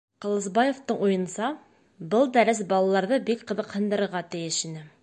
Ҡылысбаевтың уйынса, был дәрес балаларҙы бик ҡыҙыҡһындырырға тейеш ине.